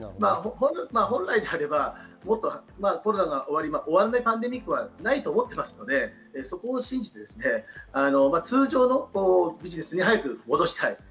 本来であればコロナが終わらないパンデミックはないと思っていますので、そこを信じて通常のビジネスに早く戻したい。